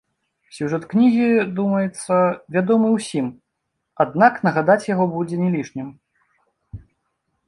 Сюжэт кнігі, думаецца, вядомы ўсім, аднак нагадаць яго будзе не лішнім.